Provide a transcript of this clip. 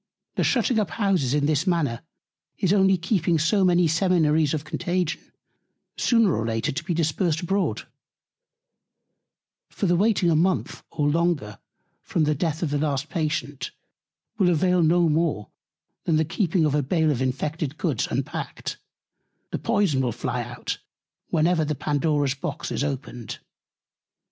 The shutting up Houses in this Manner is only keeping so many Seminaries of Contagion, sooner or later to be dispersed abroad: For the waiting a Month, or longer, from the Death of the last Patient will avail no more, than keeping a Bale of infected Goods unpack'd; the Poyson will fly out, whenever the Pandora's Box is opened.